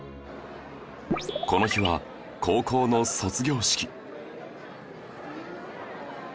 この日は高校の卒業式